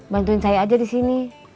bantuin saya aja di sini